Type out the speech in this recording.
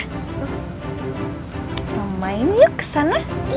kita main yuk kesana